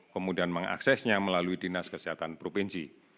kemudian mengaksesnya melalui dinas kesehatan provinsi